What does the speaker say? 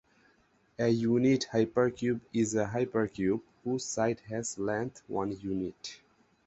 A unit hypercube is a hypercube whose side has length one unit.